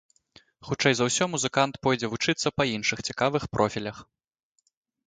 Хутчэй за ўсё музыкант пойдзе вучыцца па іншых цікавых профілях.